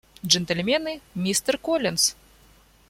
Джентльмены, мистер Коллинс.